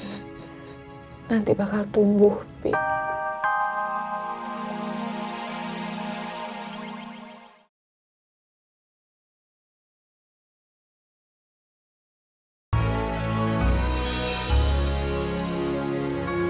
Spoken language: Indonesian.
cinta nanti bakal tumbuh pip